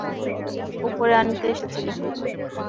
উপরে আনিতা এসেছিল।